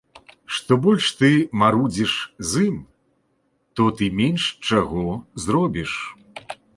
Што больш ты марудзіш з ім, то ты менш чаго зробіш.